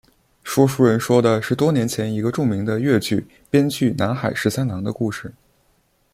说书人说的是多年前一个著名的粤剧编剧南海十三郎的故事。